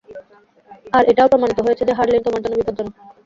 আর এটাও প্রমাণিত হয়েছে যে, হারলিন তোমার জন্য বিপদজনক!